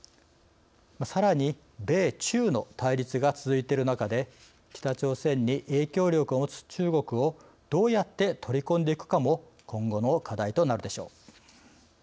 さらに米中の対立が続いている中で北朝鮮に影響力を持つ中国をどうやって取り込んでいくかも今後の課題となるでしょう。